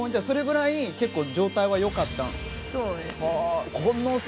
それぐらい状態は良かったの？